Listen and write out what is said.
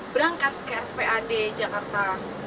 berangkat ke rspad jakarta